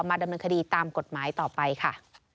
ดำเนินคดีตามกฎหมายต่อไปค่ะ